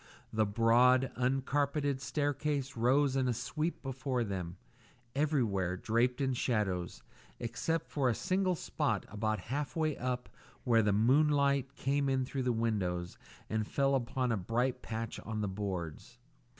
The broad uncarpeted staircase rose in a sweep before them, everywhere draped in shadows, except for a single spot about half way up where the moonlight came in through the window and fell on a bright patch on the boards.